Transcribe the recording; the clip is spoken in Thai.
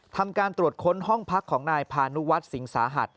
ทำการตรวจค้นห้องพักของนายพานุวัฒน์สิงสาหัส